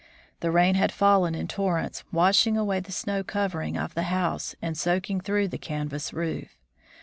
The rain had fallen in torrents, washing away the snow covering of the house and soaking through the canvas roof.